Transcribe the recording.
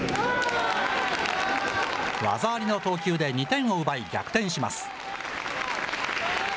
技ありの投球で２点を奪い、逆転します。